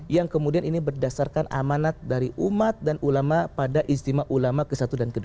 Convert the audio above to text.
yang kemudian ini berdasarkan amanat dari umat dan ulama pada ijtima ulama ke satu dan ke dua